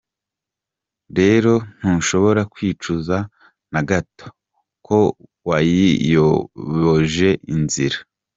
Rero ntushobora kwicuza na gato ko wayiyoboje inzira.